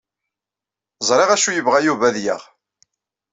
Ẓriɣ acu yebɣa Yuba ad yaɣ.